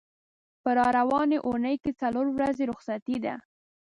په را روانې اوونۍ کې څلور ورځې رخصتي ده.